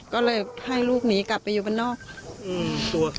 ก็เลยให้ลูกหนีกลับไปอยู่บ้านนอก